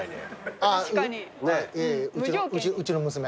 うちの娘。